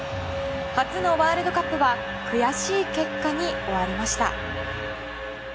初のワールドカップは悔しい結果に終わりました。